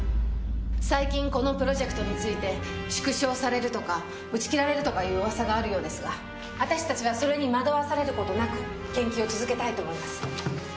最近このプロジェクトについて縮小されるとか打ち切られるとかいう噂があるようですが私たちはそれに惑わされる事なく研究を続けたいと思います。